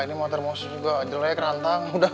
ini mau termos juga jelek rantang udah